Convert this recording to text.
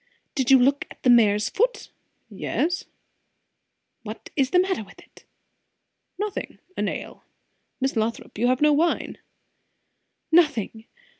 "Did you look at the mare's foot?" "Yes." "What is the matter with it?" "Nothing a nail Miss Lothrop, you have no wine." "Nothing!